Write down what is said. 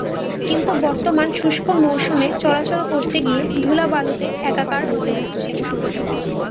কিন্তু বর্তমান শুষ্ক মৌসুমে চলাচল করতে গিয়ে ধুলাবালুতে একাকার হতে হচ্ছে।